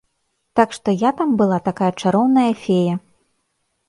Так што я там была такая чароўная фея.